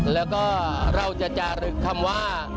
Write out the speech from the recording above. แล้วก็เราจะจารึกคำว่า